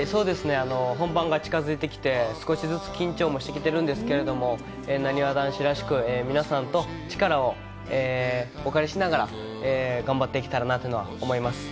本番が近づいてきて、少しずつ緊張もしてきてるんですけれども、なにわ男子らしく、皆さんと、力をお借りしながら、頑張っていけたらなというのは思います。